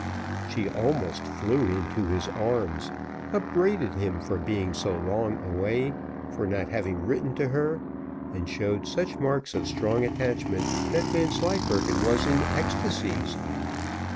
She almost flew into his arms, upbraided him for being so long away, for not having written to her, and showed such marks of strong attachment, that Vanslyperken was in ecstasies.